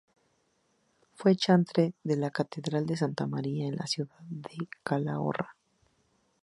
Fue chantre de la Catedral de Santa María en la ciudad de Calahorra.